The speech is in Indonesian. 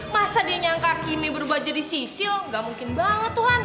masa dia nyangka kimi berubah jadi sisil gak mungkin banget tuhan